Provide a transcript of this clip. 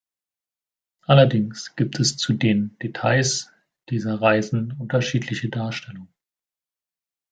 Allerdings gibt es zu den Details dieser Reisen unterschiedliche Darstellungen.